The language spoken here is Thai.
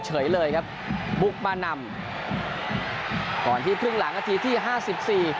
เฉยเลยครับบุกมานำก่อนที่ครึ่งหลังนาทีที่ห้าสิบสี่